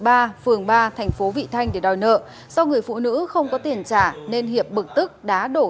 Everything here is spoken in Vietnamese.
phường ba thành phố vị thanh để đòi nợ do người phụ nữ không có tiền trả nên hiệp bực tức đá đổ